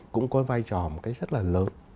cũng có vai trò một cách rất là lớn